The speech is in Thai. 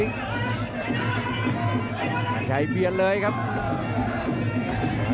เดินเข้าหาแล้วก็พันชัยเปลี่ยนเข้ามา